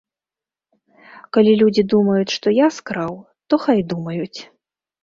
Калі людзі думаюць, што я скраў, то хай думаюць.